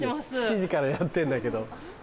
７時からやってんだけど。